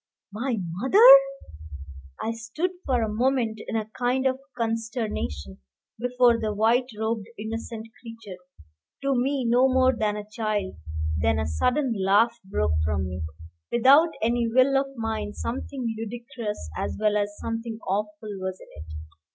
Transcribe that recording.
My mother! I stood for a moment in a kind of consternation before the white robed innocent creature, to me no more than a child; then a sudden laugh broke from me, without any will of mine something ludicrous, as well as something awful, was in it.